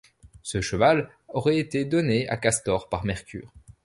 Ce cheval aurait été donné à Castor par Mercure.